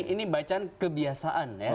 ini bacaan kebiasaan ya